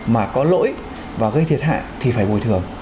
mà có lỗi và gây thiệt hại thì phải bồi thường